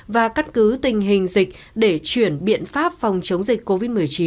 và cắt cứ tình hình dịch để chuyển biện pháp phòng chống dịch covid một mươi chín